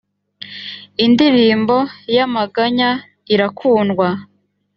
indirimbo y ‘amaganya irakundwa.